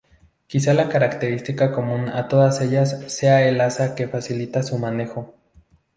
Quizá la característica común a todas ellas sea el asa que facilita su manejo.